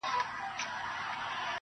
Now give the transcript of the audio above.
ستا بې روخۍ ته به شعرونه ليکم~